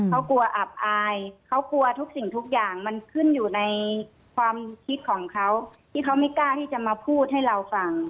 เขากลัวอับอายเขากลัวทุกสิ่งทุกอย่างมันขึ้นอยู่ในความคิดของเขาที่เขาไม่กล้าที่จะมาพูดให้เราฟัง